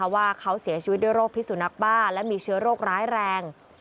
ว่าเขาเสียชีวิตด้วยโรคพิสุนักบ้าและมีเชื้อโรคร้ายแรง